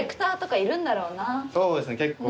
そうですね結構。